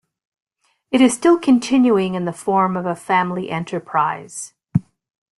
It is still continuing in the form of a family enterprise.